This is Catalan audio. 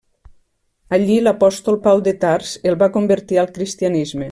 Allí l'apòstol Pau de Tars el va convertir al cristianisme.